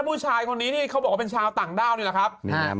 ผู้ชายคนนี้ที่เขาบอกว่าเป็นชาวต่างด้าวนี่แหละครับ